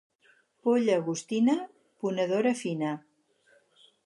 Polla agostina, ponedora fina.